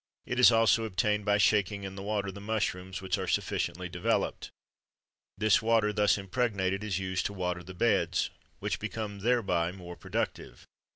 It is also obtained by shaking in the water the mushrooms which are sufficiently developed. This water, thus impregnated, is used to water the beds, which become thereby more productive.